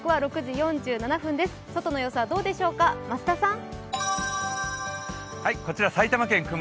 外の様子はどうでしょうか、増田さん。